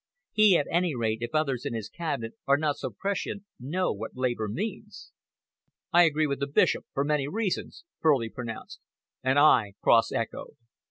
He, at any rate, if others in his Cabinet are not so prescient, knows what Labour means." "I agree with the Bishop, for many reasons," Furley pronounced. "And I," Cross echoed.